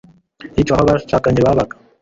yiciwe aho abashakanye babaga